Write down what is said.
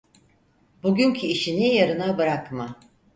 Bugünkü işini yarına bırakma.